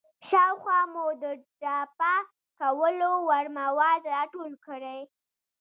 شاوخوا مو د ټاپه کولو وړ مواد راټول کړئ.